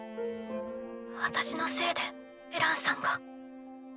私のせいでエランさんが。